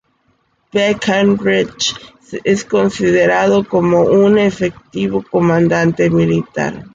Breckinridge es considerado como un efectivo comandante militar.